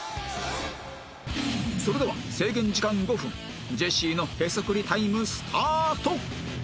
それでは制限時間５分ジェシーのへそくりタイムスタート